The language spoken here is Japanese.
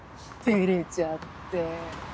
照れちゃって。